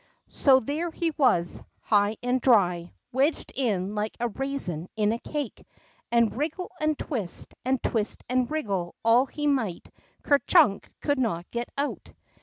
So there he was, high and dry, wedged in like a raisin in a cake, and wriggle and twist, and twist and wriggle all he might, Ker Chunk could not get out.